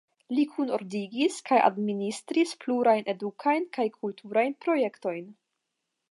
Li kunordigis kaj administris plurajn edukajn kaj kulturajn projektojn.